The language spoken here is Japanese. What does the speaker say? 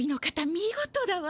見事だわ。